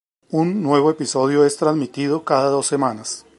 Un nuevo episodio es transmitido cada dos semanas.